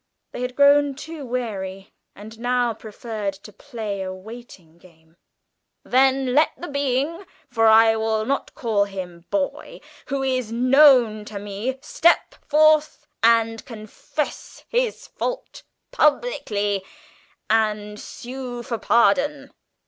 They had grown too wary, and now preferred to play a waiting game. "Then let the being for I will not call him boy who is known to me, step forth and confess his fault publicly, and sue for pardon!"